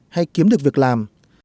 hay kiếm được việc làm